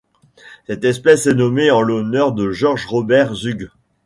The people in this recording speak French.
Cette espèce est nommée en l'honneur de George Robert Zug.